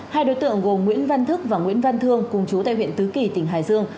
hai đối tượng gồm nguyễn văn thức và nguyễn văn thương cùng chú tại huyện tứ kỳ tỉnh hải dương